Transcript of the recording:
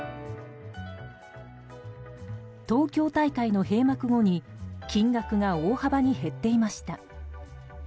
東京大会の閉幕後に金額が大幅に減っていました。